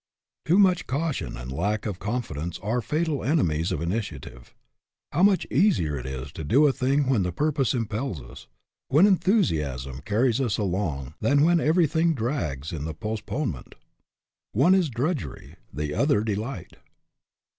Too much caution and lack of con fidence are fatal enemies of initiative. How much easier it is to do a thing when the pur pose impels us, when enthusiasm carries us along, than when everything drags in the post ponement! One is drudgery, the other delight.